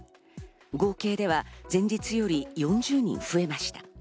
合計では前日より４０人増えました。